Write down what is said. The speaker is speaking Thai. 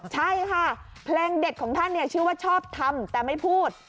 ใช่ค่ะเพลงเด็ดของท่านชื่อว่าชอบทำแต่ไม่พูด